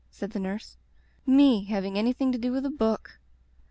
said the nurse. ^'Me hav ing anything to do with a book."